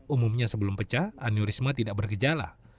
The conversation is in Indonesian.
umumnya sebelum pecah aniorisma tidak berkejalah